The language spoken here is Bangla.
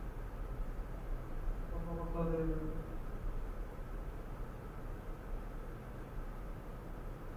দালালরা অসাধু কর্মকর্তাদের যোগসাজশে ভেতরে প্রবেশ করে নানা ধরনের অপকর্ম চালায়।